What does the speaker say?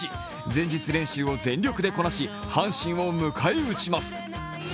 前日練習を全力でこなし、阪神を迎え撃ちます。